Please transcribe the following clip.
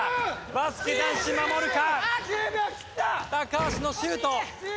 バスケ男子守るか？